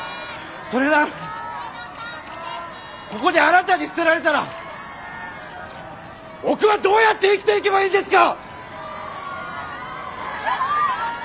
それなのにここであなたに捨てられたら僕はどうやって生きていけばいいんですか！